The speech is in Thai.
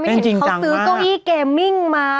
ไม่ถึงเค้าซื้อเก้าอี้เกมมิ้งมา